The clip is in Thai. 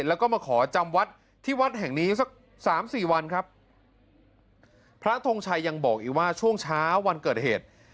แล้วก็มาขอจำวัดที่วัดแห่งนี้สักสามสี่วันครับพระทงชัยยังบอกอีกว่าช่วงเช้าวันเกิดเหตุ